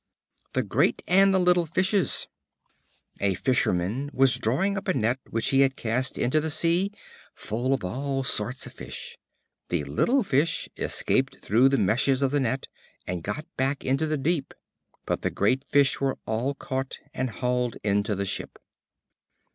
The Great and the Little Fishes. A Fisherman was drawing up a net which he had cast into the sea, full of all sorts of fish. The Little Fish escaped through the meshes of the net, and got back into the deep, but the Great Fish were all caught and hauled into the ship.